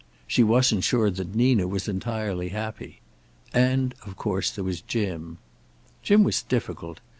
She wasn't sure that Nina was entirely happy. And, of course, there was Jim. Jim was difficult.